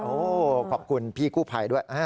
โอ้โหขอบคุณพี่กู้ภัยด้วย